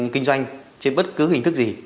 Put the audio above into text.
kinh doanh của việt nam không được cấp phép